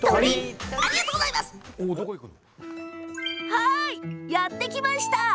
はい、やって来ました。